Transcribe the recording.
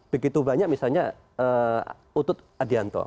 begitu banyak misalnya utut adianto